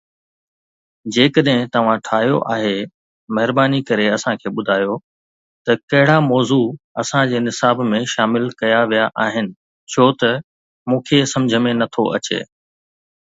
جيڪڏھن توھان ٺاھيو آھي، مھرباني ڪري اسان کي ٻڌايو ته ڪھڙا موضوع اسان جي نصاب ۾ شامل ڪيا ويا آھن ڇو ته مون کي سمجھ ۾ نٿو اچي؟